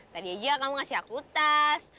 tadi aja kamu ngasih aku tas